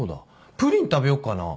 プリン食べよっかな。